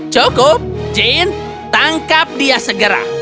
cukup jane tangkap dia segera